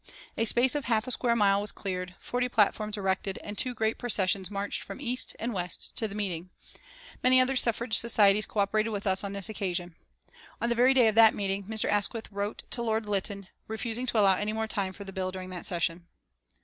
A space of half a square mile was cleared, forty platforms erected, and two great processions marched from east and west to the meeting. Many other suffrage societies co operated with us on this occasion. On the very day of that meeting Mr. Asquith wrote to Lord Lytton refusing to allow any more time for the bill during that session.